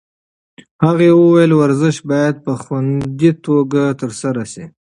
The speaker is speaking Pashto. هغې وویل ورزش باید په خوندي توګه ترسره شي.